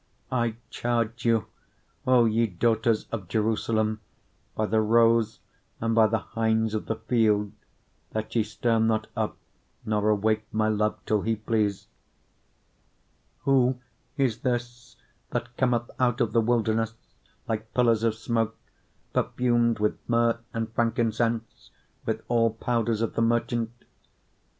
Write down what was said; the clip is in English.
3:5 I charge you, O ye daughters of Jerusalem, by the roes, and by the hinds of the field, that ye stir not up, nor awake my love, till he please. 3:6 Who is this that cometh out of the wilderness like pillars of smoke, perfumed with myrrh and frankincense, with all powders of the merchant?